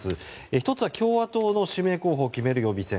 １つは共和党の指名候補を決める予備選。